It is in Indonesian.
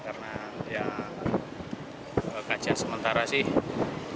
karena ya kajian sementara sih